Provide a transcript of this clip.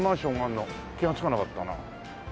気がつかなかったな。